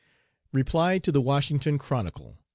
REPLY TO THE "WASHINGTON CHRONICLE."